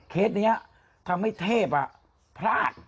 เคสเนี้ยทำให้เทพอ่ะพลาด